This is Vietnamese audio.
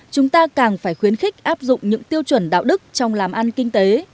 chúng ta càng phải khuyến khích áp dụng những tiêu chuẩn đạo đức trong làm ăn kinh tế